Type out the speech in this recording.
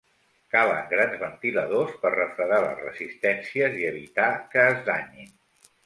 Calen grans ventiladors per refredar les resistències i evitar que es danyin.